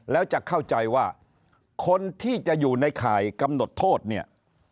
แล้วจะเข้าใจว่าคนที่จะอยู่ในข่ายกำหนดโทษเนี่ย